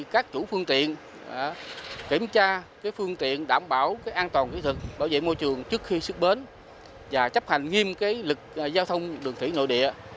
các chủ phương tiện kiểm tra phương tiện đảm bảo an toàn kỹ thuật bảo vệ môi trường trước khi xuất bến và chấp hành nghiêm lực giao thông đường thủy nội địa